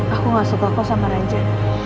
aku gak suka kau sama raja